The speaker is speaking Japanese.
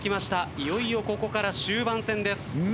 いよいよここから終盤戦です。